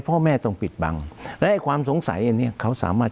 พ่อแม่ต้องปิดบังและความสงสัยอันนี้เขาสามารถ